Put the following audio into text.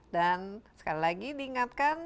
dan sekali lagi diingatkan